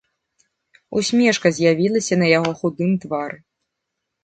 Усмешка з'явілася на яго худым твары.